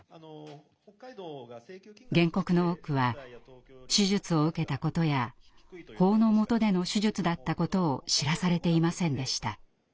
原告の多くは手術を受けたことや法の下での手術だったことを知らされていませんでした。